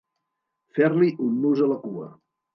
Fer-li un nus a la cua.